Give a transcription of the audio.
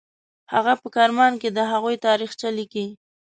هغه په کرمان کې د هغوی تاریخچه لیکي.